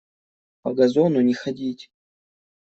По газону не ходить!